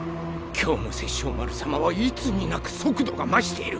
今日の殺生丸様はいつになく速度が増している。